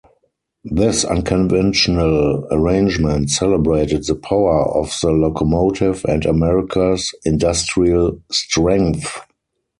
This unconventional arrangement celebrated the power of the locomotive and America's industrial strength.